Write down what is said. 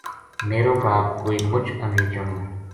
میرو باپ کوئی مُچ امیر جنو